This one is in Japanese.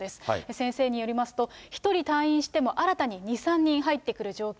先生によりますと、１人退院しても、新たに２、３人入ってくる状況。